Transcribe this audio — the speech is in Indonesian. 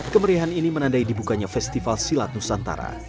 kemeriahan ini menandai dibukanya festival silat nusantara